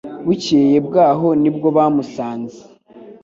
Bukeye bwaho nibwo bamusanze